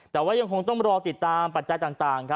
แต่ว่ายังคงต้องรอติดตามปัจจัยต่าง